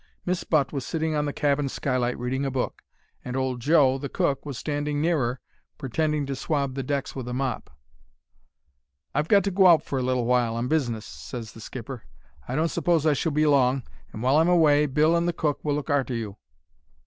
Miss Butt was sitting on the cabin skylight reading a book, and old Joe, the cook, was standing near 'er pretending to swab the decks with a mop. "'I've got to go out for a little while—on business,' ses the skipper. 'I don't s'pose I shall be long, and, while I'm away, Bill and the cook will look arter you.'